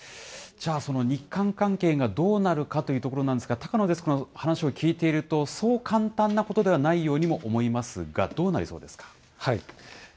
じゃあその日韓関係がどうなるかというところなんですが、高野デスクの話を聞いていると、そう簡単なことではないように思いますが、どうなりそうですか。